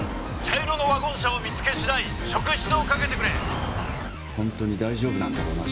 茶色のワゴン車を見つけしだい職質をかけてくれホントに大丈夫なんだろうな？